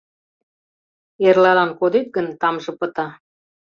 Эрлалан кодет гын, тамже пыта.